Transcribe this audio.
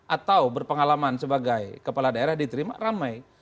atau berpengalaman sebagai kepala daerah diterima ramai